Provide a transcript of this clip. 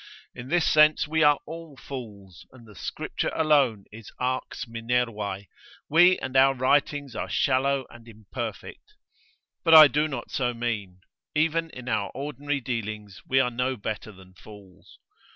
In this sense we are all fools, and the Scripture alone is arx Minervae, we and our writings are shallow and imperfect. But I do not so mean; even in our ordinary dealings we are no better than fools.